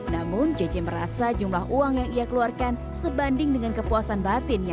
namun jj merasa jumlah uang yang ia keluarkan sebanding dengan kepuasan batin